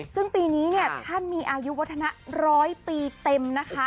ซึ่งปีนี้เนี่ยท่านมีอายุวัฒนะร้อยปีเต็มนะคะ